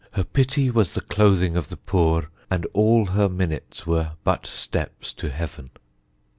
her pitty was the clothing of the poore ... and all her minutes were but steppes to heaven."